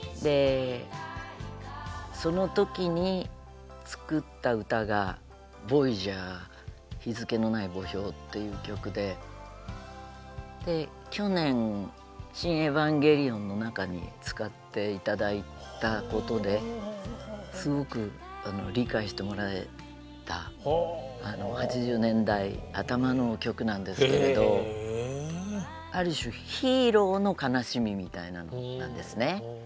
その時に作った歌が「ＶＯＹＡＧＥＲ日付のない墓標」という曲で去年「シン・エヴァンゲリオン」の中に使って頂いたことですごく理解してもらえた８０年代頭の曲なんですけれどある種ヒーローの悲しみみたいなのなんですね。